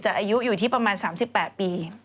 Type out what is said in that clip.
อายุอยู่ที่ประมาณ๓๘ปี